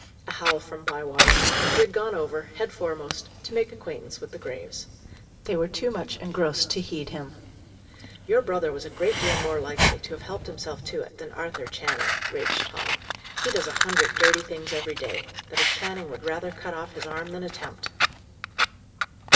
A howl from Bywater. He had gone over, head foremost, to make acquaintance with the graves. They were too much engrossed to heed him. "Your brother was a great deal more likely to have helped himself to it, than Arthur Channing," raged Tom. "He does a hundred dirty things every day, that a Channing would rather cut off his arm than attempt."